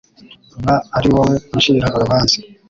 Ba ari wowe uncira urubanza